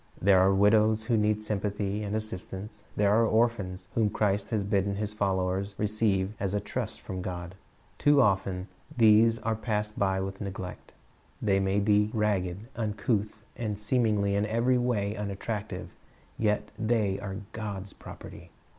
There are widows who need sympathy and assistance. There are orphans whom Christ has bidden His followers receive as a trust from God. Too often these are passed by with neglect. They may be ragged, uncouth, and seemingly in every way unattractive; yet they are God's property.